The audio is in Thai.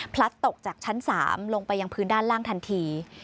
ตกจากชั้น๓ลงไปยังพื้นด้านล่างทันที